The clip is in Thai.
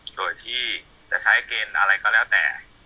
โดยที่จะใช้เกณฑ์อะไรก็แล้วแต่